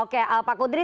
oke pak kudri